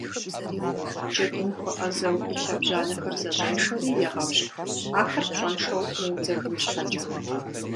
Джэдум хуэӏэзэу и лъэбжьанэхэр зэщӏешэри егъэпщкӏу, ахэр пщӏэншэу мыудзэгун щхьэкӏэ.